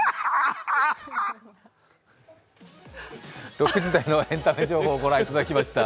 ６時台のエンタメ情報をご覧いただきました。